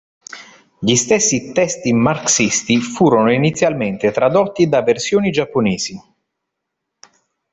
Gli stessi testi marxisti furono inizialmente tradotti da versioni giapponesi.